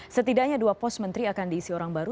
setidaknya dua pos menteri akan diisi orang baru